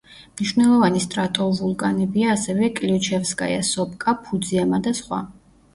მნიშვნელოვანი სტრატოვულკანებია ასევე კლიუჩევსკაია-სოპკა, ფუძიამა და სხვა.